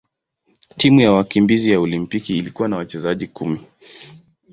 Timu ya wakimbizi ya Olimpiki ilikuwa na wachezaji kumi.